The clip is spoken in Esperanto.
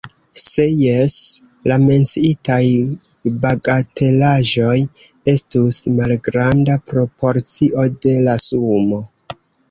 Se jes, la menciitaj bagatelaĵoj estus malgranda proporcio de la sumo.